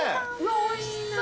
おいしそう。